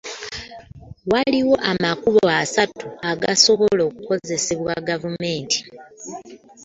Waliwo amakubo asatu agasobola okukozesebwa gavumenti